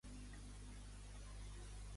De què acusa Ciutadans?